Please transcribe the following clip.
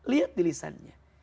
lihat di lisannya